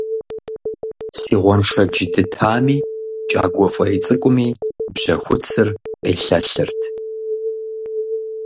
Си гъуэншэдж дытами, кӀагуэ фӀей цӀыкӀуми бжьэхуцыр къилэлырт.